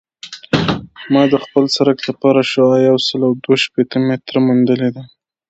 ما د خپل سرک لپاره شعاع یوسل دوه شپیته متره موندلې ده